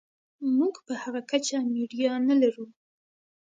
موږ په هغه کچه میډیا نلرو.